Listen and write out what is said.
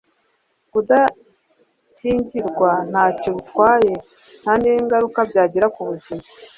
Kudakingirwa ntacyo bitwaye nta n’ingaruka byagira ku buzima.”